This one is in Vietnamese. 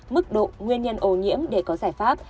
mức độ nguyên nhân ô nhiễm để có giải pháp